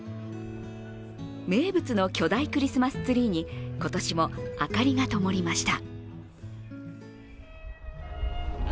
名物の巨大クリスマスツリーに今年も明かりがともりました。